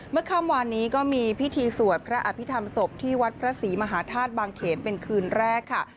ค่ำวานนี้ก็มีพิธีสวดพระอภิษฐรรมศพที่วัดพระศรีมหาธาตุบางเขนเป็นคืนแรกค่ะ